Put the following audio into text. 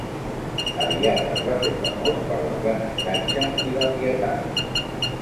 Aviat es va fer famós per l'aprenentatge i la pietat.